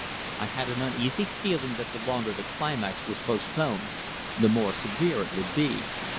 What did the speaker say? I had an uneasy feeling that the longer the climax was postponed, the more severe it would be.